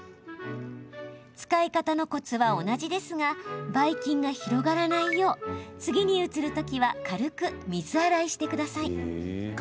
使い方のコツは同じですがばい菌が広がらないよう次に移るときは軽く水洗いしてください。